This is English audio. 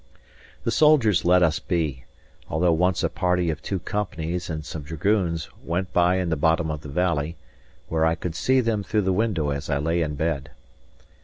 The soldiers let us be; although once a party of two companies and some dragoons went by in the bottom of the valley, where I could see them through the window as I lay in bed.